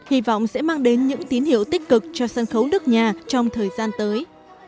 hy vọng sẽ mang đến những tín hiệu tích cực cho sân khấu đức nhà trong thời gian tới